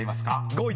５位？